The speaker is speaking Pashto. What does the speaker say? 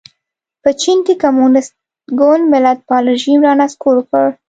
په چین کې کمونېست ګوند ملتپال رژیم را نسکور کړ.